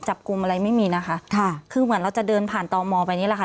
จับกลุ่มอะไรไม่มีนะคะค่ะคือเหมือนเราจะเดินผ่านตมไปนี่แหละค่ะ